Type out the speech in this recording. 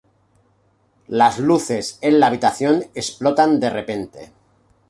Las luces en la habitación explotan de repente.